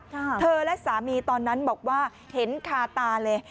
เธอและสามีตอนนั้นบอกว่าเห็นคาตาเลย